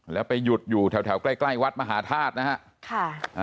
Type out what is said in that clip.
แล้วไปหยุดอยู่แถวใกล้วัดมหาธาตุนะฮะ